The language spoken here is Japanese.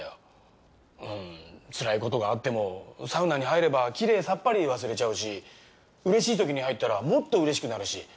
うんつらいことがあってもサウナに入ればきれいさっぱり忘れちゃうしうれしいときに入ったらもっとうれしくなるし！